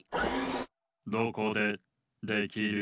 どこでできる？